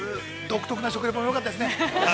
独特な食レポもよかったですね。